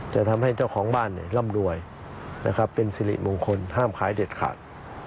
จะทำให้เจ้าของบ้านร่ำรวยเป็นสิริมงคลห้ามขายเด็ดขาด